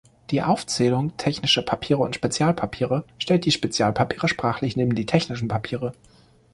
Die Aufzählung „Technische Papiere und Spezialpapiere“ stellt die Spezialpapiere sprachlich neben die technischen Papiere.